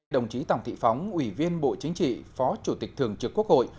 đồng chí tòng thị phóng ủy viên bộ chính trị phó chủ tịch thường trực quốc hội